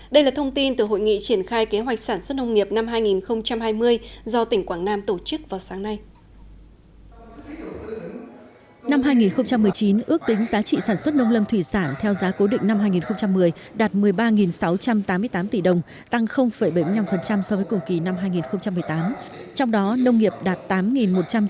đây là thông tin từ hội nghị triển khai kế hoạch sản xuất nông nghiệp năm hai nghìn hai mươi do tỉnh quảng nam tổ chức vào sáng nay